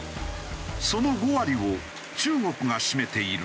その５割を中国が占めているのだ。